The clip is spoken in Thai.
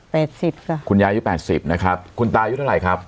เป็นสิบครับคุณยายยุคแปดสิบนะครับคุณตายุคเท่าไรครับ